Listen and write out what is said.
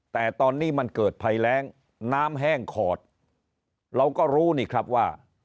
แต่ตอนนี้มันเกิดภัยแรงน้ำแห้งขอดเราก็รู้นี่ครับว่า